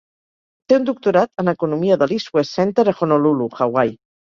Té un doctorat. en economia del East-West Center a Honolulu, Hawaii.